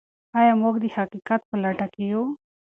آیا موږ د حقیقت په لټه کې یو؟